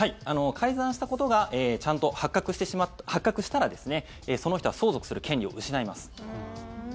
改ざんしたことが発覚したらその人は相続する権利を失います。